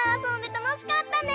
たのしかったね。